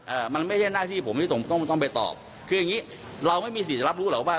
อ่ามันไม่ใช่หน้าที่ผมที่ต้องต้องไปตอบคืออย่างงี้เราไม่มีสิทธิ์จะรับรู้หรอกว่า